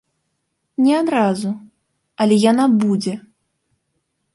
Не адразу, але яна будзе.